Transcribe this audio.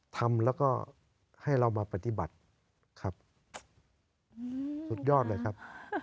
ทำแล้วก็ให้เรามาปฏิบัติครับสุดยอดเลยครับ